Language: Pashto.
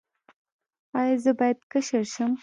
ایا زه باید کشر شم؟